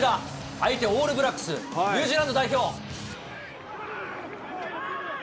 相手、オールブラックス、ニュージーランド代表。